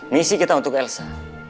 misi kita untuk elsa